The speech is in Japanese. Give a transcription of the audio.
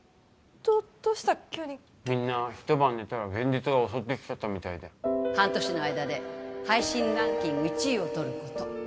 どどうした急にみんな一晩寝たら現実が襲ってきちゃったみたいで半年の間で配信ランキング１位をとること